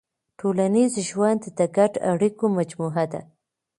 ټولنیز ژوند د ګډو اړیکو مجموعه ده.